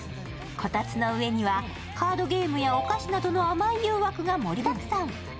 こたつの上にはカードゲームやお菓子などの甘い誘惑が盛りだくさん。